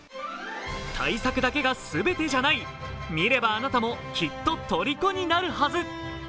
大作だけが全てじゃない、見ればあなたもきっととりこになるばす。